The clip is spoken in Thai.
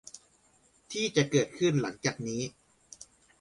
ที่จะเกิดขึ้นหลังจากนี้